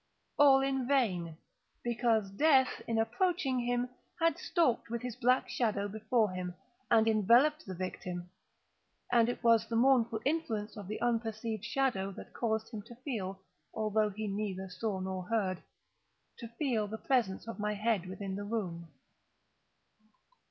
All in vain; because Death, in approaching him had stalked with his black shadow before him, and enveloped the victim. And it was the mournful influence of the unperceived shadow that caused him to feel—although he neither saw nor heard—to feel the presence of my head within the room.